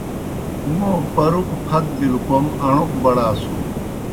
موں پَرُکوْ پھت بِلوْ کوْم اݨوک بڑاسُن۔